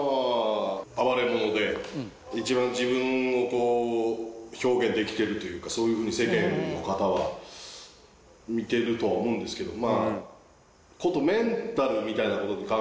暴れん坊で一番自分をこう表現できてるというかそういう風に世間の方は見てるとは思うんですけどまあ。